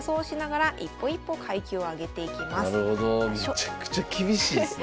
めちゃくちゃ厳しいですね。